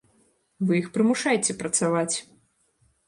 Вы іх прымушайце працаваць.